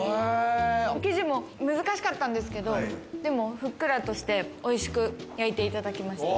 生地も難しかったんですけど、ふっくらとして美味しく焼いていただきました。